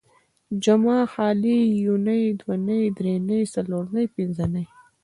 جمعه ، خالي ، يونۍ ،دونۍ ، دري نۍ، څلور نۍ، پنځه نۍ